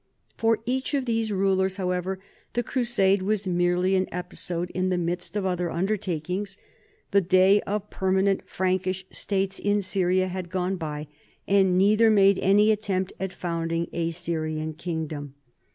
For each of these rulers, how ever, the crusade was merely an episode in the midst of other undertakings; the day of permanent Frankish states in Syria had gone by, and neither made any attempt at founding a Syrian kingdom.